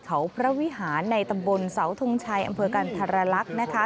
เขาพระวิหารในตำบลเสาทงชัยอำเภอกันธรรลักษณ์นะคะ